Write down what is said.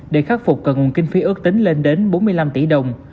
để khắc phục cần nguồn kinh phí ước tính lên đến bốn mươi năm tỷ đồng